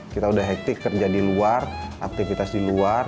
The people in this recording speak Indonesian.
kita udah hektik kerja di luar aktivitas di luar